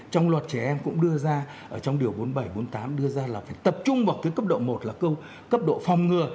trong luật trẻ em cũng đưa ra trong điều bốn nghìn bảy trăm bốn mươi tám đưa ra là phải tập trung vào cái cấp độ một là cấp độ phòng ngừa